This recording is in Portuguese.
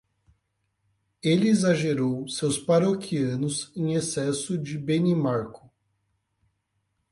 Ele exagerou seus paroquianos em excesso de Benimarco.